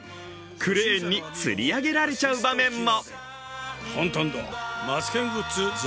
クレーンにつり上げられちゃう場面も。